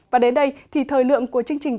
và đến đây thì thời lượng của chương trình